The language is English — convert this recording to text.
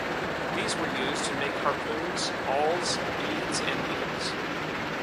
These were used to make harpoons, awls, beads and needles.